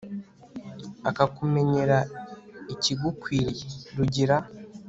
akakumenyera ikigukwiriye; rugira